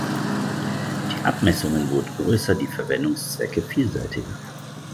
Die Abmessungen wurden größer, die Verwendungszwecke vielseitiger.